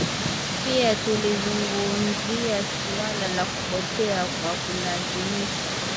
Pia tulizungumzia suala la kupotea kwa kulazimishwa